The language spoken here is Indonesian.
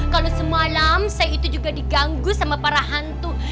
kalau semalam saya itu juga diganggu sama para hantu